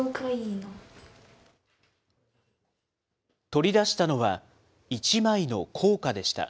取り出したのは、１枚の硬貨でした。